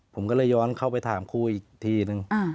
ผมคือไปถามครูอีกทีหนึ่ง